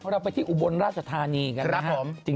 เราไปที่อุบลราชธานีกันนะฮะ